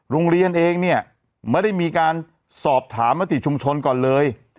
โรงเรียนเองเนี่ยไม่ได้มีการสอบถามมติชุมชนก่อนเลย